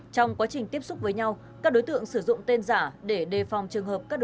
trong quá trình tiếp xúc với nhau các đối tượng sử dụng tên giả để đề phòng trường hợp